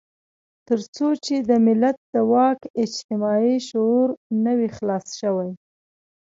تر څو چې د ملت د واک اجتماعي شعور نه وي خلاص شوی.